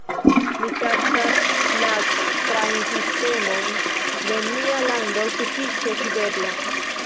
Mi taksas la trajnsistemon de mia lando sufiĉe fidebla.